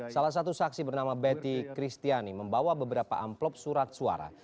salah satu saksi bernama betty kristiani membawa beberapa amplop surat suara